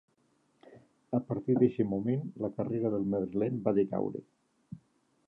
A partir d'eixe moment, la carrera del madrileny va decaure.